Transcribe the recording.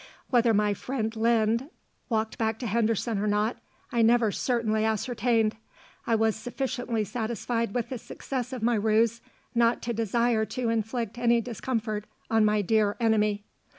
Whether my friend Lynd walked back to Henderson or not, I never certainly ascertained. I was sufficiently satisfied with the success of my ruse not to desire to inflict any discomfort on my dear enemy.